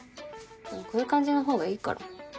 こういう感じの方がいいから。